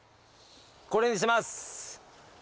これにします。